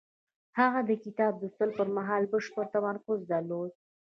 هغه د کتاب لوستلو پر مهال بشپړ تمرکز درلود.